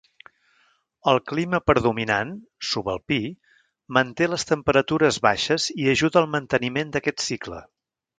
El clima predominant, subalpí, manté les temperatures baixes i ajuda al manteniment d'aquest cicle.